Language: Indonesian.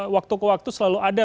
waktu ke waktu selalu ada